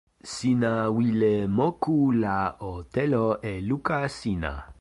sina wile moku la o telo e luka sina.